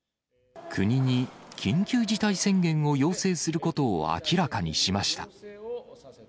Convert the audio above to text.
国に緊急事態宣言を要請することを明らかにしました。